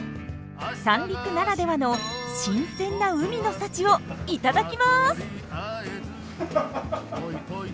三陸ならではの新鮮な海の幸を頂きます！